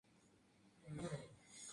Martín García Ramos.